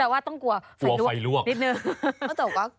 แต่ว่าต้องกลัวไฟลวกนิดนึง